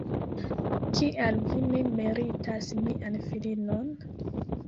Kial vi ne meritas mian filinon?